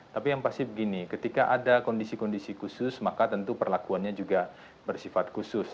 tapi yang pasti begini ketika ada kondisi kondisi khusus maka tentu perlakuannya juga bersifat khusus